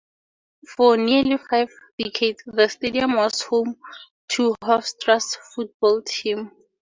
For nearly five decades, the stadium was home to Hofstra's football team.